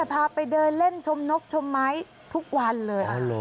พาไปเดินเล่นชมนกชมไม้ทุกวันเลย